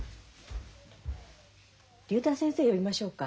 竜太先生呼びましょうか？